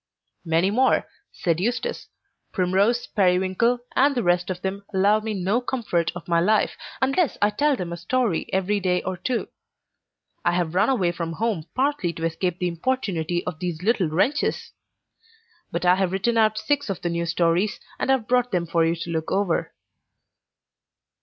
"Many more," said Eustace; "Primrose, Periwinkle, and the rest of them, allow me no comfort of my life unless I tell them a story every day or two. I have run away from home partly to escape the importunity of these little wretches! But I have written out six of the new stories, and have brought them for you to look over."